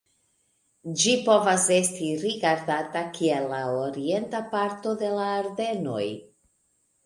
Ĝi povas esti rigardata kiel la orienta parto de la Ardenoj.